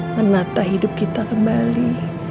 menata hidup kita kembali